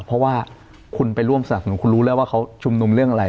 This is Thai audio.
เพราะว่าคุณไปร่วมสนับสนุนคุณรู้แล้วว่าเขาชุมนุมเรื่องอะไร